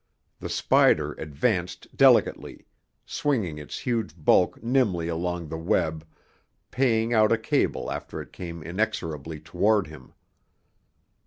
The spider advanced delicately, swinging its huge bulk nimbly along the web, paying out a cable after it came inexorably toward him.